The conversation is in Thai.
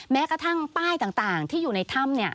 แม้กระทั่งป้ายต่างที่อยู่ในถ้ำ